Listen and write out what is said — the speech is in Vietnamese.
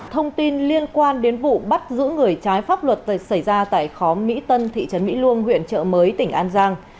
thông tin liên quan đến vụ bắt giữ người trái pháp luật xảy ra tại khó mỹ tân thị trấn mỹ luông huyện trợ mới tỉnh an giang